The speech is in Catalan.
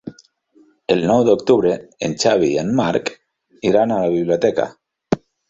El nou d'octubre en Xavi i en Marc iran a la biblioteca.